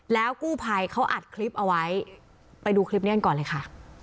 แล้วกู้ภัยเขาอัดคลิปเอาไว้ไปดูคลิปนี้กันก่อนเลยค่ะ